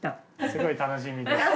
すごい楽しみです。